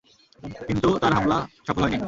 কিন্তু তার হামলা সফল হয়নি।